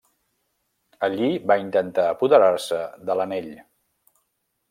Allí, va intentar apoderar-se de l'Anell.